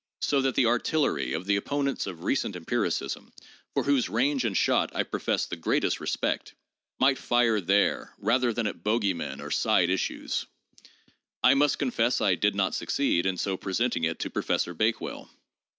710 THE JOURNAL OF PHILOSOPHY artillery of the opponents of recent empiricism (for whose range and shot I profess the greatest respect) might fire there, rather than at bogey men or side issues. I must confess I did not succeed in so pre senting it to Professor Bakewell.